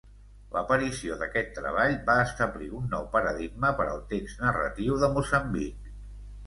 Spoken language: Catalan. L'aparició d'aquest treball va establir un nou paradigma per al text narratiu de Moçambic.